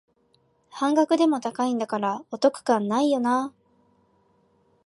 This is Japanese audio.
半額でも高いんだからお得感ないよなあ